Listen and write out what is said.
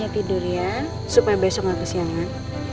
tidur ya supaya besok gak kesiangan